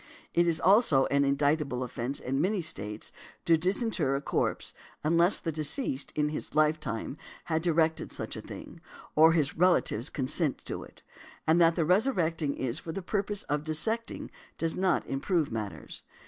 It is, also, an indictable offence in many of the States to disinter a corpse, unless the deceased in his life time had |155| directed such a thing, or his relatives consent to it; and that the resurrecting is for the purpose of dissecting does not improve matters .